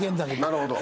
なるほど。